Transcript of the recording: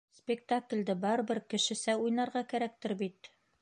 Спектаклде барыбер кешесә уйнарға кәрәктер бит!